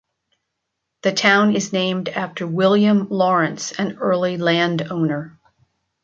The town is named after William Lawrence, an early land owner.